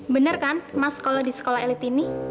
bener kan mas sekolah di sekolah elit ini